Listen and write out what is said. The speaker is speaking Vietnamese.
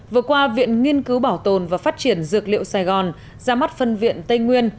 vừa qua viện nghiên cứu bảo tồn và phát triển dược liệu sài gòn ra mắt phân viện tây nguyên